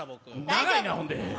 長いな、ほんで。